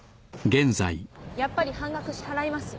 やっぱり半額支払います。